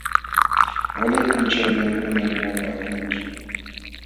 Walay punchawmi qamkuna limapaakunki.